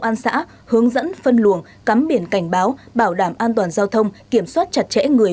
an xã hướng dẫn phân luồng cắm biển cảnh báo bảo đảm an toàn giao thông kiểm soát chặt chẽ người